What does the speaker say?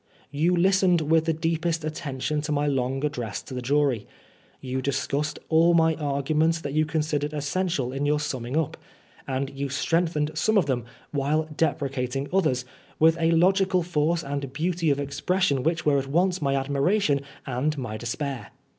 You listened with the deepest attention to my long address to the jury. You discussed aU my arguments that you considered essential in your summing up ; and you strengthened some of them, while deprecating others, with a logical force and beauty of expression which were at once my admiration and my despair.